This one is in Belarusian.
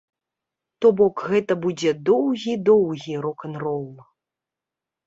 То бок, гэта будзе доўгі-доўгі рок-н-рол.